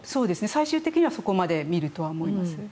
最終的にそこだけを見ると思います。